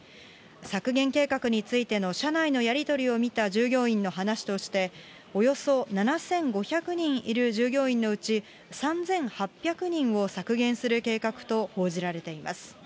削減計画についての社内のやり取りを見た従業員の話として、およそ７５００人いる従業員のうち３８００人を削減する計画と報じられています。